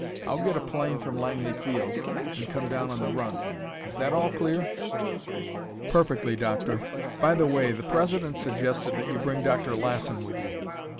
I'll get a plane from Langley Field and come down on the run. Is that all clear?" "Perfectly, Doctor. By the way, the President suggested that you bring Dr. Lassen with you."